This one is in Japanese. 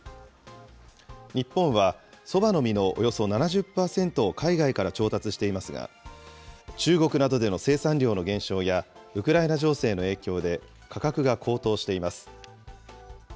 日本は、そばの実のおよそ７０％を海外から調達していますが、中国などでの生産量の減少や、ウクライナ情勢の影響で、価格が高騰しています。